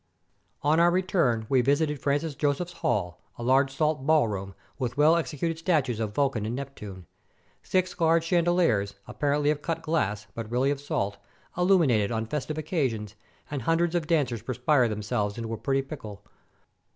On our return we visited Francis Joseph's hall, a large salt ballroom, with well executed statues of Vulcan and Neptune. Six large chandeliers, apparently of cut glass, but really of salt, illuminate it on festive occa sions, and hundreds of dancers perspire themselves into a pretty pickle.